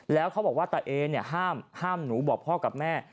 แล้วเขาบอกว่าตะเอเนี่ยห้ามหนูบอกพ่อกับแม่